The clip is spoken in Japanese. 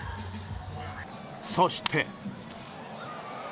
そして。